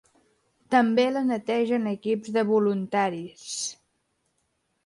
També la netegen equips de voluntaris.